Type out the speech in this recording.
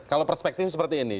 kalau perspektif seperti ini